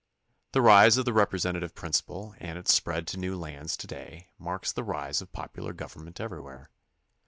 The rise of the representative principle and its spread to new lands to day marks the rise of popular government everywhere.